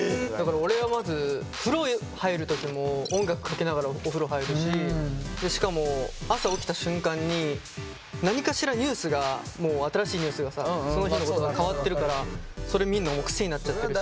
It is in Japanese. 俺はまず風呂入る時も音楽かけながらお風呂入るししかも朝起きた瞬間に何かしらニュースがもう新しいニュースがさその日のことが変わってるからそれ見んのもう癖になっちゃってるし。